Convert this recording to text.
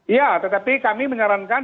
iya tetapi kami menyarankan